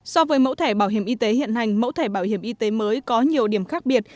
so với mẫu thẻ bảo hiểm y tế hiện hành mẫu thẻ bảo hiểm y tế mới có nhiều điểm khác biệt